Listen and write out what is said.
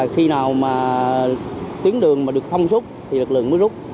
khi nào mà tuyến đường mà được thông suốt thì lực lượng mới rút